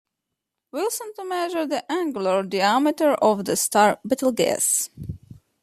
Wilson to measure the angular diameter of the star Betelgeuse.